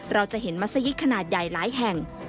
เราจะเห็นมัศยิตขนาดใหญ่หลายแห่ง